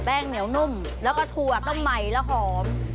แป้งเหนียวนุ่มแล้วก็ถั่วต้องใหม่แล้วหอม